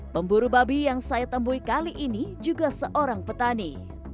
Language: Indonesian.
pemburu babi yang saya temui kali ini juga seorang petani